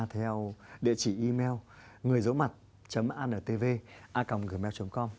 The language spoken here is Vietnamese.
theo địa chỉ email